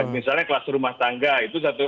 misalnya kluster rumah tangga itu satu